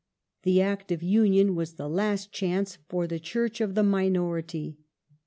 The Act of Union was the last chance for the Church of the minority.